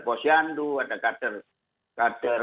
posyandu ada kader